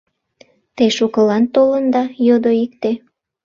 — Те шукылан толында? — йодо икте.